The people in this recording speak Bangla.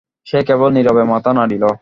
সে কেবল নীরবে মাথা নাড়িল।